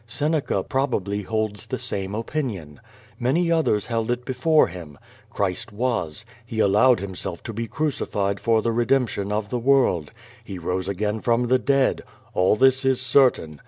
Seneca probably holds the same opinion. Many others held it Ixifore him. Christ was. He allowed himself to be cru cified for the redemption of the world. He rose again from the dead. All this is certain.